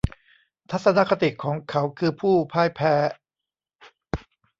ทัศนคติของเขาคือผู้พ่ายแพ้